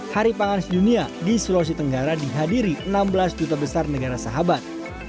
hari pangan sedunia di sulawesi tenggara dihadiri enam belas juta besar negara sahabat